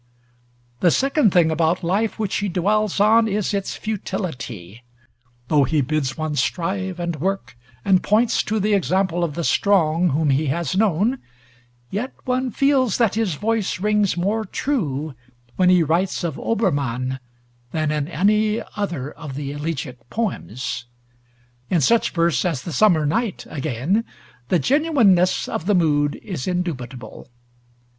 The second thing about life which he dwells on is its futility; though he bids one strive and work, and points to the example of the strong whom he has known, yet one feels that his voice rings more true when he writes of Obermann than in any other of the elegiac poems. In such verse as the 'Summer Night,' again, the genuineness of the mood is indubitable.